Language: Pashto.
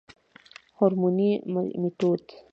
هورموني ميتود